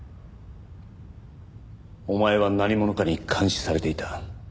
お前は何者かに監視されていた。